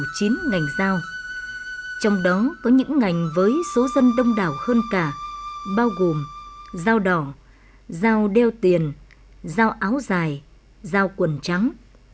chính ngành giao trong đó có những ngành với số dân đông đảo hơn cả bao gồm giao đỏ giao đeo tiền giao áo dài giao quần trắng